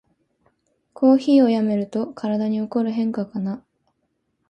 コーヒーをやめると体に起こる変化かな